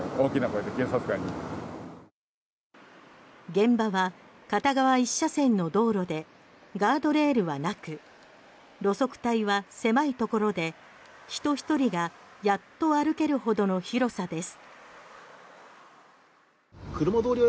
現場は片側１車線の道路でガードレールはなく路側帯は狭いところで人１人がやっと歩けるほどの広さです。